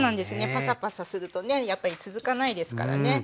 パサパサするとねやっぱり続かないですからね。